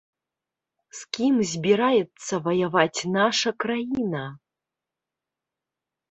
З кім збіраецца ваяваць наша краіна?